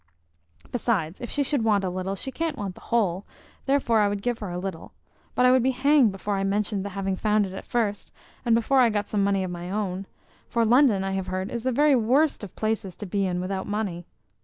Besides, if she should want a little, she can't want the whole, therefore I would give her a little; but I would be hanged before I mentioned the having found it at first, and before I got some money of my own; for London, I have heard, is the very worst of places to be in without money.